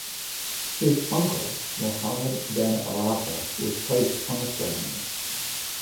His uncle, Mohammed Ben Aarafa, was placed on the throne.